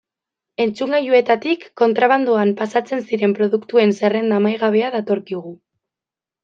Entzungailuetatik kontrabandoan pasatzen ziren produktuen zerrenda amaigabea datorkigu.